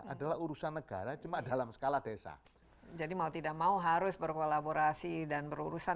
adalah urusan negara cuma dalam skala desa jadi mau tidak mau harus berkolaborasi dan berurusan